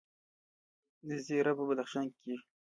زیره په بدخشان کې کیږي